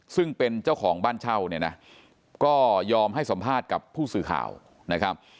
ซึ่งเป็นเจ้าของบ้านเช่าเนี่ยนะก็ยอมให้สัมภาษณ์กับผู้สื่อข่าวนะครับ